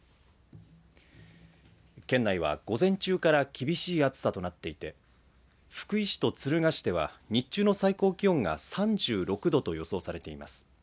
県内は、午前中から厳しい暑さとなっていて福井市と敦賀市では日中の最高気温が３６度と予想されています。